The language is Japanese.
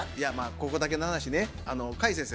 ここだけの話ね甲斐先生